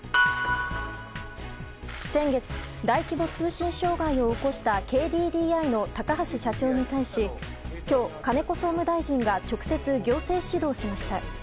先月、大規模通信障害を起こしたＫＤＤＩの高橋社長に対し今日、金子総務大臣が直接、行政指導しました。